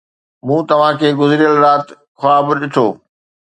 مون توهان کي گذريل رات خواب ڏٺو.